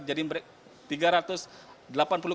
jadi tiga ratus delapan puluh kendaraan mewah